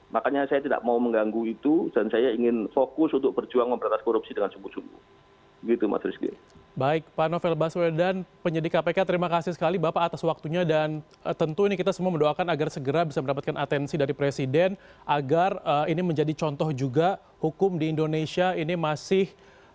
makanya saya tidak mau mengganggu itu dan saya ingin fokus untuk berjuang memperatas korupsi dengan sungguh sungguh